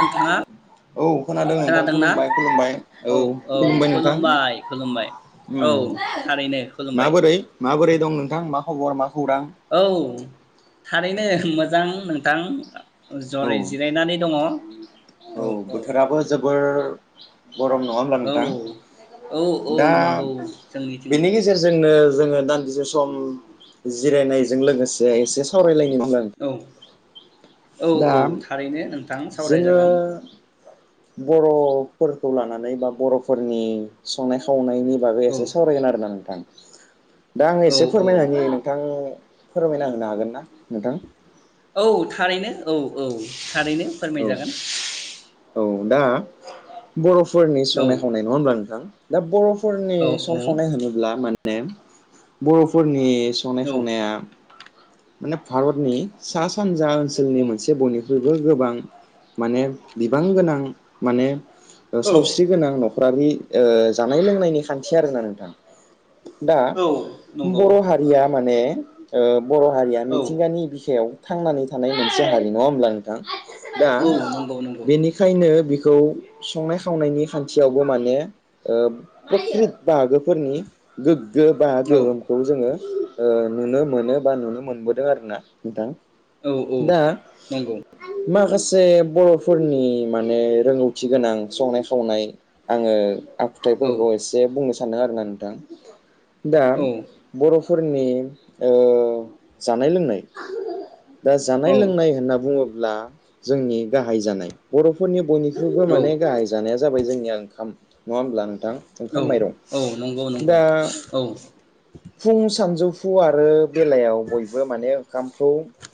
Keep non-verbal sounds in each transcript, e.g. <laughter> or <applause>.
नोंथाङा औ खोनादों नोंथां खोनादोंना खुलुमबाय खुलुमबाय औ खुलुमबाय नोंथां औ उम थारैनो खुलुमबाय माबोरै माबोरै दं नोंथां मा खबर मा खौरां औ थारैनो मोजां नों टां औ जराय जिरायनानै दङ औ बोथोराबो जोबोर <unintelligible> गरम नङा होब्ला औ नोंथां औ औ दा नंगौ जोंनिथिंबो बेनि गेजेरजोंनो जोङो दान्दिसे सम जिरायनायजों लोगोसे एसे सावरायलायनो नांगोन औ औ दा औ थारैनो नोंथां जोङो सावरायजागोन। बर'फोरखौ लानानै बा बर'फोरनि संनाय खावनाय नि बागै औ एसे सावरायगोन आरोना नोंथां। दा आङो औ एसे औ फोरमायलांनि नोंथां। फोरमायना होनो हागोन ना नोंथां। औ थारैनो औ औ। थारैनो औ फोरमायजागोन औ दा बर'। फोरनि औ संनाय खावनाय नङा होनब्ला नोंथां। दा बर फोरनि औ औ सं-संनाय खावनाय होनोब्ला <unintelligible> बर'फोरनि संनाय औ खावनाया माने भारतनि सा सानजा जा ओनसोलनि औ मोनसे बयनिख्रुइबो गोबां। माने बिबां गोनां माने। ओ औ सावस्रि गोनांं नख <unintelligible> जानाय लोंनायनि खान्थि आरोना नोंथां। दा औ नंगौ बर‌ हारिया माने ओ बर‌ हारिया औ मिथिंगानि बिखायाव। थांनानै थानाय मोनसे हारि नङा होमब्ला नोंथां। जोङा औ नंगौ नंगौ बेनिखायनो खौ संनाय खावनायनि खान्थियावबो माने ओ टेकनिक बाहागोफोरनि गो गोबा औ गोहोमखौ जोङो ओ नुनो मोनो। बा नुनो मोनबोदों आरो ना नोंथां। औ औ दा नंगौ माखासे सासे बरफोरनि माने रोंगौथि गोनां संनाय खावनाय आङो औ आखुथायफोरखौ एसे बुंनो सानो आरोना नोंथां। दा औ बर' फोरनि ओ जानाय लोंनाय दा औ जानाय लोंनाय होनना बुङो ब्ला जोंनि बाहाय जानाय बर'फोरनि बयनि ख्रुइबो माने बाहाय जानाया जाबाय जोंनिया ओंखाम नङा होमब्ला नों थां औ ओंखाम मायरं औ नंगौ नंगौ दा औ फुं सानजौफु फुं आरो बेला बयबो माने ओंखामखौ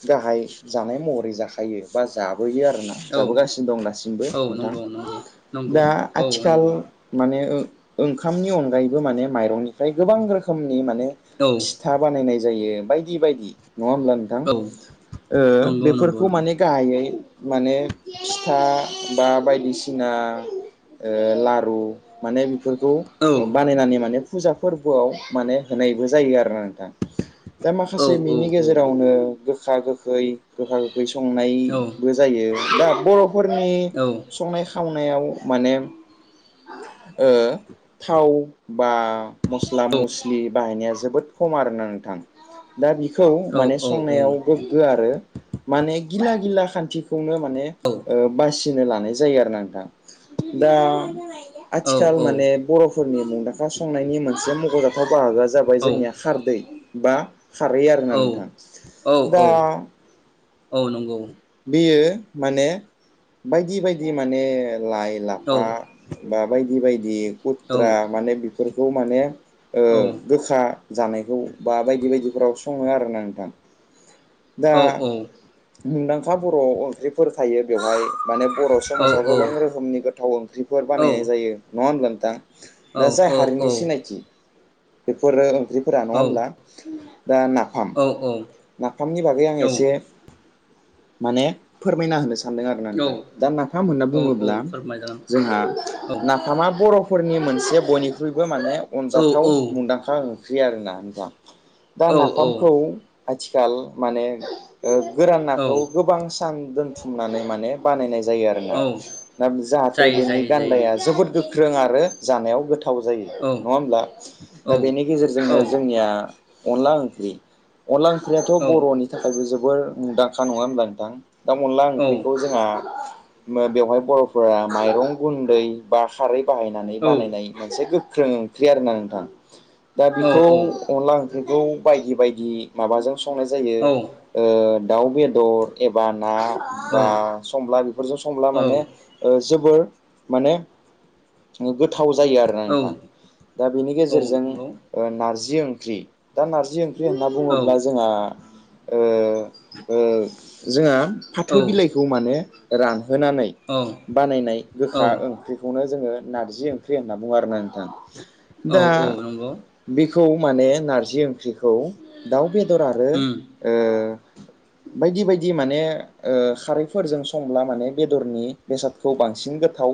गाहाय जानाय महरै जाखायो बा जा बोयो आरोना औ जाबोगासिनो दं दासिमबो औ नोंथां। नंगौ नंगौ नंगौ दा औ आथिखाल नंगौ माने ओ ओंखामनि अनगायैबो माने माइरंनिफ्राय गोबां रोखोमनि माने औ फिथा बानायनाय जायो। बिबायदि नङा होमब्ला नोंथां औ ओ नंगौ नंगौ बेफोरखौ नंगौ माने गाहायै माने फिथा बा बायदिसिना ओ लारु माने बेफोरखौ औ बानायनानै माने फुजा फोरबोआव माने होनायबो जायो आरोना नोंथां। दा औ माखासे औ मिनि गेजेरावनो <unintelligible> ओंख्रि संनायबो जायो। दा बर' फोरनि औ संनाय खावनाय नायाव माने ओ थाव बा मसला मसलि बाहायनाया जोबोद खम आरोना नोंथां। दा बि खौ औ माने औ औ संनायाव गोगगो आरो माने गिला गिला खान्थि माने ओ बासि लानाय जायो आरोना नोंथा दा आथिखाल माने बर'फोरनि मुंदांखा संनायनि मोनसे मुं अ बाहागोआ जाबाय जोंनिया खारदै। बा खारै आरोना नोंथां औ दा औ नंगौ। बियो माने बायदि बायदि माने लाइ औ लाफा बा बायदि बाय दि औ उथ्रा माने बेफोरखौ माने ओ गोखा जानायखौ बा बायदि बायदि <unintelligible> सङो आरोना नोंथां? दा मुंदांखा बर ओंख्रिफोर थायो बेवहाय माने बर' औ समाजाव गोबां रोखोमनि गोथाव ओंख्रिफोर औ बानायनाय जायो नङा होमबा नों दा औ दा जाय हारिनि सिनायथि बेफोरो जिफोरा नङा होमब्ला दा नाफाम औ आंनि बागै आं एसे माने फोरमायना होनोस सानदों आरोना‌ नोंथां औ दा नाफाम होनना औ बुङोब्ला फोरमायजागोन जोंहा औ नाफामा बर फोरनि मोनसे बयनिख्रुइबो माने औ अनजाथाव औ मुंदांखा ओं ख्रि आरोना नोंथां दा औ नाफामखौ आथिखाल माने ओ गोरान नाखौ औ गोबां सान दों थिननानै माने बानायनाय जायो आरोना औ नाम जाहाथे जायो बेनि जायो जायो गान्दाया जोबोद गो ख्रों आरो जानायाव गोथ थाव जायो औ नङा होमब्ला दा औ बेनि औ गेजेरजोंनो जोंनिया अनला ओंख्रि अनला ओंख्रिया औ बरनि थाखायबो जोब बोर मुंदांखा नङा होमब्ला नोंथां? दा अनला औ ओंख्रिखौ जोंहा मो बेवहाय बर'फोरा माइरं गुन्दै बा खारै बाहायनानै औ बानायनाय मोनसे गो <unintelligible> क्लियार ना नोंथां? दा औ बिखौ औ औ अनला ओंख नोंगौ बायदि बायदि माबाजों मावनाय जायो ओ दाउ बेदर एबाद ना बा संब्ला बेफोरजों संब्ला माने ओ जोबोर माने गोद थाव जायो आरोना नोंथां दा बेनि गेजेरजों नंगौ ओ नारजि जि ओंख्रि दा नारजि ओं <unintelligible> होनना औ औ बुङोब्ला जो आ ओ ओ जोंहा फाथो बिलाइखौ माने रां होनानै बानायनाय औ गोखा ओंख्रिखौनो जोङो नारजि ओंख्रि होनना बुङो आरो नों औ दा औ नंगौ बिख खौ माने नारजि ओंख्रिखौ दाउ बे <unintelligible> आरो उम ओ बायदि बायदि माने ओ खारैफोरजों संब्ला माने बेदरनि बेसादखौ बांसिन गोथाव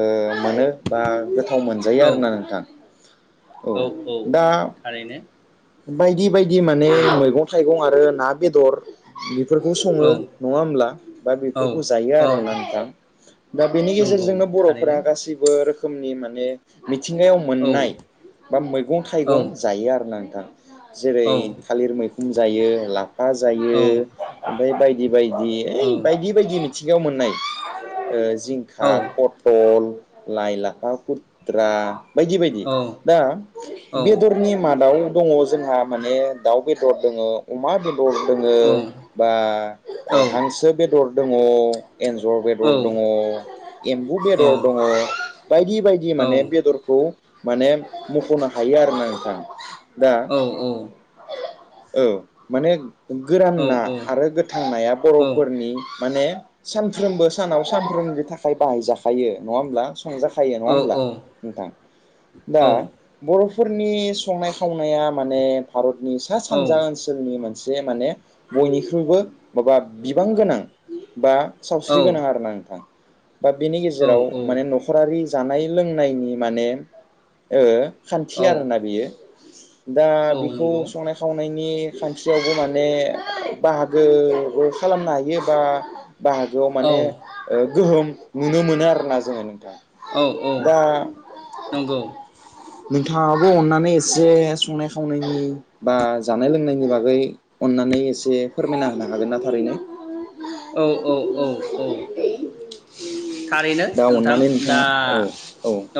ओ मोनो बा गोथाव मोनजायो औ आरोना नोंथां औ औ दा थारैनो बायदि बायदि नै औ मैगं थाइगं आरो ना बेदर <unintelligible> फोरखौ सङो औ नङा होमब्ला? दा बेफोरखौ जायो औ औ आरोना नोंथां दा बेनि नंगौ गेजेरजोंनो बर'फोरा थारैनो गासैबो रोख रोखोमनि माने मिथिंगायाव औ मोननाय बा मैगं औ थाइगं जायो आरोना नोंथां। औ जेरै मैखुम जायो लाफ हा जायो औ ओमफाय बायदि बायदि औ ओइ बायदि बायदिनि थिङाव मोननाय ओ औ जिंखा, पथल लाइ लाफा खुदद्रा बायदि बायदि। औ दा औ बेदरनि मादाव दङ जोंहा माने दाउ बेदर दङ, अमा बे दर दङ बा हांसो बेदर दङ। एन्जर बेदर दङ, एम्बु बेदर दङ बायदि बायदि माने बेदरखौ माने मखनो हायो आरोना नोंथां। दा औ औ। औ माने गोरान औ ना आरो गोथां नाया बर'फोरनि माने सानफ्रोमबो सानाव सानफ्रोमनि थाखाय बाहायजाखायो नङा होमब्ला? <unintelligible> नङा औ होमब्ला नोंथां दा औ बर' फोरनि संनाय खावनाया माने भारतनि सा सानजा ओनसोलनि मोन मोनसे माने बयनिख्रुइबो माबा बिबां गोनां बा सावस्रि गोनां आरो ना नोंथां। बा बिनि गेजेराव माने नखरारि जानाय लोंनायनि माने ओ खान्थि आरोना बियो। दा बि खौ नंगौ संनाय खावनायनि खान्थियावबो माने बाहागोबो खालामनो हायो बा बाहागोआव माने औ ओ गोहोम नुनो मोनो आरोना जोङो नोंथां। औ औ दा नंगौ नोंथाङाबो अननानै एसे संनाय खावनायनि बा जानाय लोंनायनि बागै अननानै एसे फोरमायना होनो हागोनना थारैनो औ औ औ औ थारैनो दा नोंथां अननानै दा नोंथाङा औ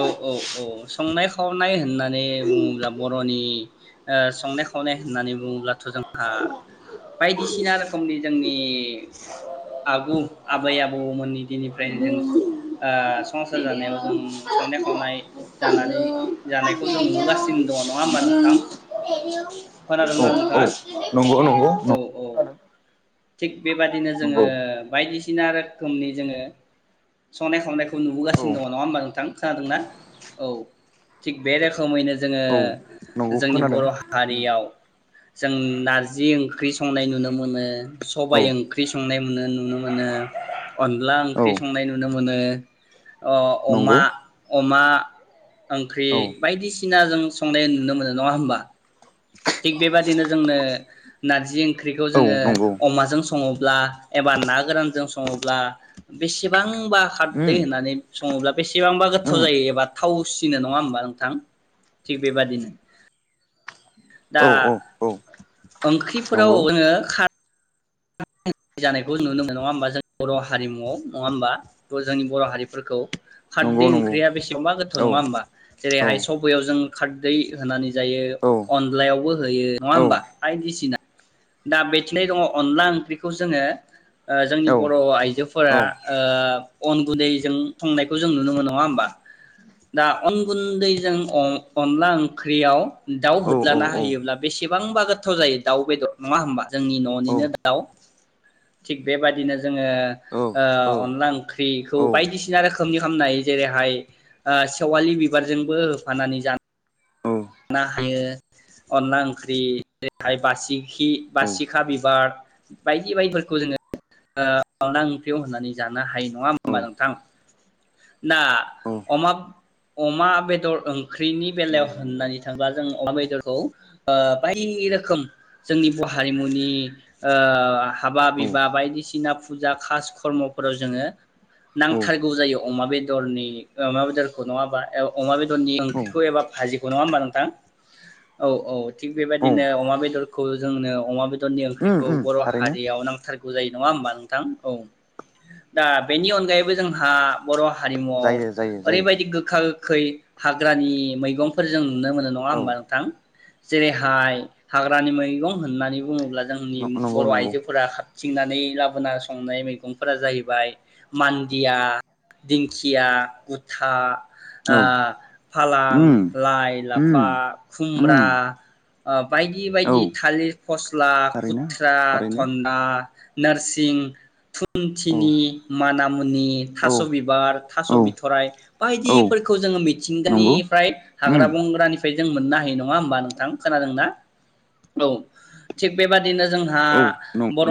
औ औ औ संनाय खावनाय होननानै बुङोब्ला बरनि ओ संनाय खावनाय होननानै बुङोब्लाथ जोंहा बायदिसिना रोखोमनि जोंनि आगु आबै आबौमोननि फ्रायनो जों ओ संसार जानायाव जों औ संनाय खावनाय जानानै जानायखौ जों नुबोगासिनो दङ नङा होमबा नोंथां खोनादोंना नोंथाङा नंगौ नंगौ औ औ थिग बेबादिनो जोङो नंगौ बायदिसि सिना रोखोमनि जोङो सनाय खावनाय औ नुबोगासिनो दङ होमबा नोंथां। खोनादोंना औ थिग बे रोखोमैनो जोङो औ नंगौ जोंनि खोनादों बर हारियाव जों नारजि ओंख्रि संनाय नुनो मोनो औ सबाइ ओंख्रि संनाय नो नुनो मोनो अनला ओं औ <inaudible> अ नंगौ अमा अमा ओंख्रि औ बायदिसिना जोङो संनाय नुनो मोनो नङा होमबा। थिग बेबादिनो जोंनो नारजि ओं ख्रिखौ औ जोङो नंगौ अमाजों सङो बा एबा ना गोरानजों सङोब्ला बेसेबां बा उम खारदै होननानै सङोब्ला बेसेबांबा गोथाव उम जायो एबा थावो फिसिनो नङा होमबा नोंथां थिग बेबादिनो दा औ औ औ ओंख्रिफोराव नंगौ जोङो खा <unintelligible> जानायखौ नुनो मोनो नङा होमबा जों बर हारिमुवाव नङा होमबा जोंनि बर हारिफोरखौ नंगौ खारदि नंगौ ओंख्रिया बेसेबबा गोथाव औ नङा होमबा औ जेरैहाय सबयाव जों खारदै होनानै जायो औ अनलायावबो होयो नङा औ होमबा बायदिसिना दा <unintelligible> दङ अनला ओंख्रिखौ जोङो ओ जोंनि औ बर' आइजोफोरा ओ अन गुनदैजों संनायखौ जों नुनो मोनो नङा होमबा दा अन गुनदैजों अ च डकअनला ओंख्रियाव दाउ होद्लाना औ होयोब्ला बेसेबांबा गोथाव जायो दाउ बेदर नङा होमबा जोंनि ननिनो दाउ थिग बेबादिनो जोङो ओ अनला ओंख्रिखौ बायदिसिना रोखोमनि खालामामनो हायो जेरैहाय ओ सेवालि बिबारजोंबो होफानानै जानो जानो हायो अनला ओंख्रि रैहाय बासिखि बासिखा बिबार बायदि बायदिफोरखौ जोङो ओ अनला ओंख्रियाव होननानै जानो हायो नङा हबा औ नोंथां ना औ अमा अमा बेदर ओं ख्रिनि बेलायाव नंगौ नंगौ होनाय जों अमा बेदरखौ ओ बाय रोखोम जोंनि बर' हारिमुनि ओ हाबा बिबा औ बायदिसिना फुजा खास खर्मफोराव जोङो। औ नांथारगौ जायो अमा बेदरनि ओ बेदरखौ नङाबा अमा बेदर नि औ ओंख्रिखौ एबा फाजि बुनामा होनबा नों हा औ औ थिग औ बेबायदिनो अमा बेदरखौ जोंनो अमा बे नि उम ओंख्रिखौ उम बर' थारैनो हारियाव नांथार बुजायो नङा हमबा नोंथां औ दा बेनि अनगायैबो जोंहा बर' हारिमु आव जायो जायो जायो ओरैबायदि गोखा गो खै हाग्रानि मैगंफोर जों नुनो मोनो। नंङा औ होनबा नोंथा जेरैहाय हाग्रानि मैगं होननानै बुङोब्ला जोंनि नंगौ बर' नंगौ आइजोफोरा खा थिंनानै लाबोना संनाय मैगंफोरा जाहैबाय मान्दिया, दिंखिया, गुथा औ ओ फालां उम लाइ उम लाफा बा खुमब्रा उम आप बायदि बायदि औ थालिर फस्ला थारैनो खुथ्रा थारैनो धरना नारसिं थु औ इथिनि माना मुनि औ थास' बिबार थास' औ बिथ'राय औ बायदिफोरखौ जोङो नंगौ मिथिंगानिफ्राय उम हाग्रा बंग्रानि बेजों मोननो हायो नङा होनबा नोंथा खोनादोंना? औ थिग बेबादि बिनो जोंहा औ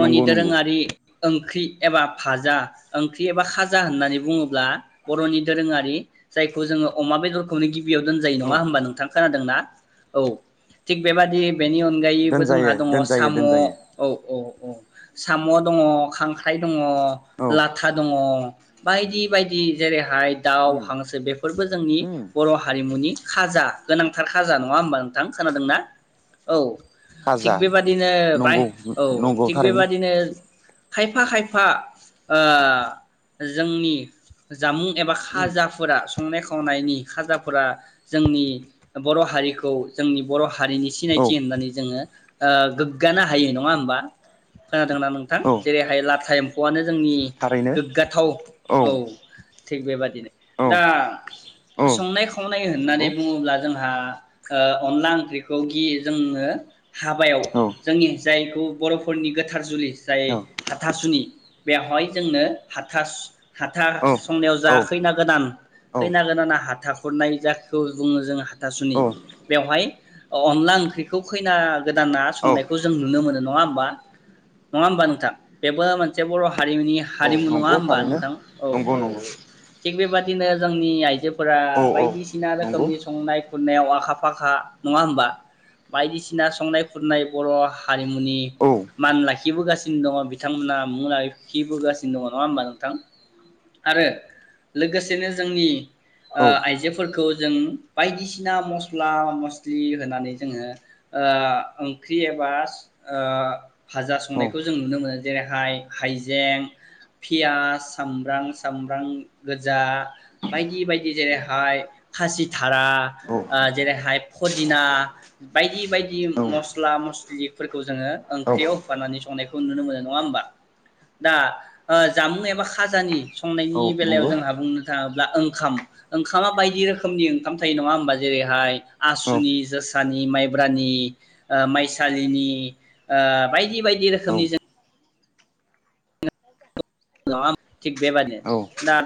नंगौ नंगौ ओंख्रि एबा फाजा ओंख्रि एबा फाजा होननानै बुङोब्ला बरनि दोरोङारि जायखौ जोङो अमा बेदरखौनो गि बियाव दोनजायो औ नङा होनबा नोंथां खोनादोंना औ थिग बेबादि बेनि अनगायैबो जोंहा दोनजायो दङ दोनजायो साम' दोनजायो औ औ औ साम दङ खांख्राइ दङ ङ औ लाथा दङ बायदि बायदि जेरै हाइ दाउ उम हांसो बेफोरबो जोंनि उम बर हारिमुनि खाजा गोनांथार खाजा नङा होमबा नोंथां खोनादोंना औ खाजा थिग बेबादिनो बाय नंगौ औ नंगौ थिग थारैनो बेबादिनो खायफा खायफा ओ जोंनि जामुं एबा उम खाजाफोरा। संनाय खावनायनि खाजाफ्रा जोंनि बर' हारिखौ जोंनि बर' हारिनि औ सिनायथि होननानै जोङो आ गोग्गानो हायो नङा होमबा खोनादोंना नोंथां? औ जेरैहाय लाथा इम अयानो जोंनि थारैनो गोग्गाथाव औ सेख बेबायादिनो। औ दा औ संनाय खावनाय होननानै नंगौ बुङोब्ला आ ओ अनला ओंख्रिखौ गियो जोंनो हाबायाव औ जोंनि जायखौ बरफोरनि गोथार जुलि जाय औ था था सुनि बेहइ जोंनो हाथास हाथार औ संनायाव जा खैना गोदान खैना गोदाना हाथा हुरनाय जखौ बुङो जोंआ हाथासुनि औ बेवहाय अ-अनला ओंख्रिखौ खैना गोदान ना औ संनायखौ जों नुनो मोनो नङा होमबा? नङा होमबा नोंथां बेबो मोनसे बर ह हारिमुनि औ हारिमु नङा नंगौ होमबा थारैनो नोंथां औ नंगौ औ नंगौ औ थिग बेबाद बिदिनो जोंनि आइजोब फोरा औ औ बायदिसिना नंगौ रोखोमनि संनाय खुरनायाव आखा फाखा नङा होमबा बायदिसिना संनाय खुरनाय बर' हारिमुनि औ मान ला इबोगासिनो दङ बिथांमोनहा मुलायै खिबोगासिनो दङ नङा होमबा नोंथां आरो लोगोसेनो जोंनि औ आइजोफोरखौ जों बायदिसि खिना मस्ला मस्लि होनानै जोङो ओंख्रि एबा फाजा संनायखौ जों नुनो मोनो जेरैहाय हाइजें पियास सामब्रां सामब्रां गोजा बायदि बायदि जेरैहाय खासि थारा ओ जेरैहाय फदिना बायदि बायदि औ मस्ला मस्लिफोरखौ जोङो औ ओंख्रियाव होफानानै संनायखौ नुनो मोनो नङा होमबा? दा ओ जामुं एबा खाजानि संनायनि औ बेलायाव नंगौ जोंहा बुंनो थाङोब्ला ओंखाम ओंखामा बायदि रोखोमनि ओंखाम थायो नङा होमबा जेरैहाय आसुनि औ जोसानि माइब्रानि ओ माइसालिनि ओ बायदि बायदि रोखोमनि जों <unintelligible> थिग बेबानो औ औ दा